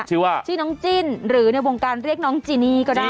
ชื่อว่าชื่อน้องจิ้นหรือในวงการเรียกน้องจีนี่ก็ได้